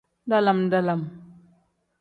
Dalam-dalam.